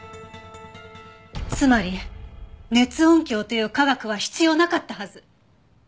つまり熱音響という科学は必要なかったはず。